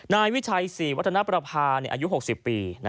นายวิชัยศรีวัฒนประพาอายุ๖๐ปี